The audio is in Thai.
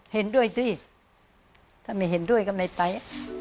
เห็นด้วยสิถ้าไม่เห็นด้วยก็ไม่ไป